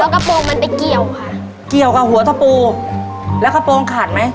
กระโปรงมันไปเกี่ยวค่ะเกี่ยวกับหัวตะปูแล้วกระโปรงขาดไหม